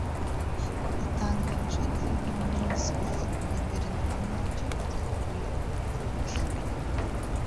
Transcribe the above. yatangarije Daily News ko Guverinoma ntacyo izi ku bivugwa